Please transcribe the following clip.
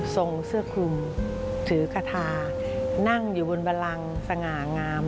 ส่งเสื้อคลุมถือคาทานั่งอยู่บนบรังสง่างาม